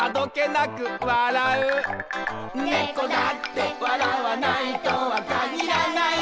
「猫だって笑わないとは限らない」